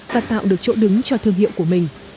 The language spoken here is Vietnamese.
và tạo được chỗ đứng cho thương hiệu của mình